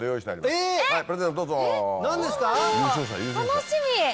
楽しみ！